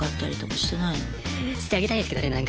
してあげたいですけどねなんか。